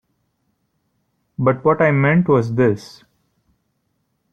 But what I meant was this.